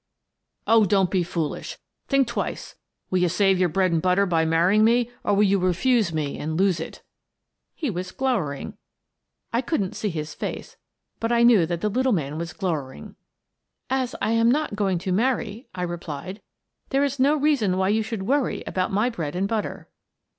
"Oh, don't be foolish! Think twice. Will you save your bread and butter by marrying me, or will you refuse me and lose it? " 148 Miss Frances Baird, Detective He was glowering! I couldn't see his face, but I knew that the little man was glowering! " As I am not going to marry," I replied, " there is no reason why you should worry about my bread and butter."